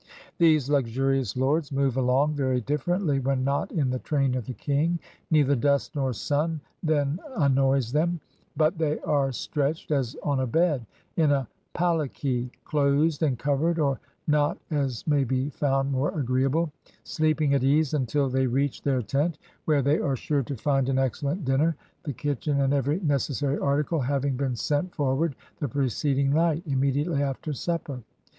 These luxurious lords move along very differently when not in the train of the king : neither dust nor sun then annoys them, but they are stretched, as on a bed, in a paleky, closed and covered or not as may be found more agreeable; sleeping at ease until they reach their tent, where they are sure to find an excellent dinner, the kitchen and every necessary article having been sent forward the preceding night, immediately after supper.